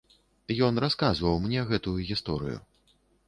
Ён расказваў мне гэтую гісторыю.